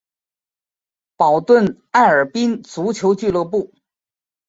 保顿艾尔宾足球俱乐部。